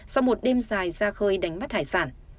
sau một đêm dài ra khơi đánh bắt hải sản